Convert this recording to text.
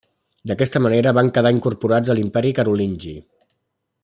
D'aquesta manera van quedar incorporats a l'Imperi Carolingi.